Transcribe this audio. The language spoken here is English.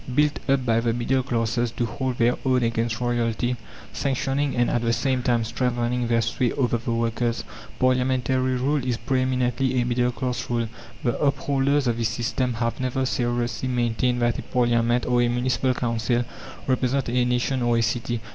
Built up by the middle classes to hold their own against royalty, sanctioning, and, at the same time strengthening, their sway over the workers, parliamentary rule is pre eminently a middle class rule. The upholders of this system have never seriously maintained that a parliament or a municipal council represent a nation or a city.